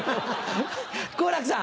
好楽さん。